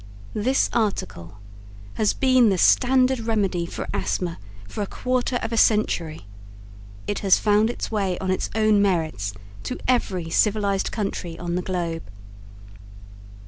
This article has been the standard remedy for Asthma for a quarter of a century. It has found its way on its own merits to every civilized country on the globe.